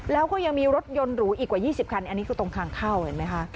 แล้วก็ยังมีรถยนต์หรูอีกกว่า๒๐คันอันนี้คือตรงทางเข้าเห็นไหมคะ